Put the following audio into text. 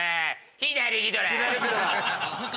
左ギドラ。